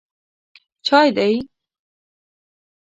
_چای دی؟